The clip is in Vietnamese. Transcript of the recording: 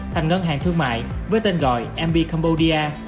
thành ngân hàng thương mại với tên gọi mp cambodia